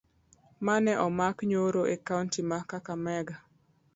Mane omaki nyoro e kaunti ma kakamega